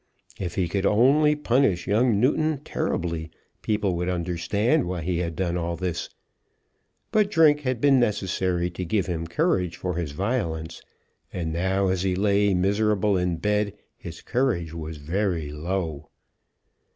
If he could only punish young Newton terribly, people would understand why he had done all this. But drink had been necessary to give him courage for his violence, and now as he lay miserable in bed, his courage was very low.